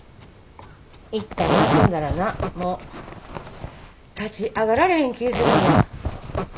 いったん休んだらなもう立ち上がられへん気ぃするんよ。